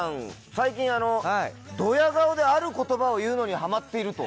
最近あのドヤ顔である言葉を言うのにハマっていると。